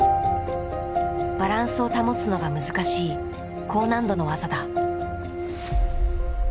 バランスを保つのが難しい高難度の技だ。